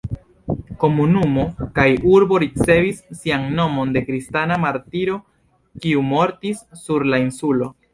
Komunumo kaj urbo ricevis sian nomon de kristana martiro, kiu mortis sur la insulo.